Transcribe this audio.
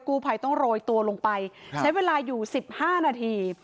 กู้ภัยต้องโรยตัวลงไปใช้เวลาอยู่๑๕นาที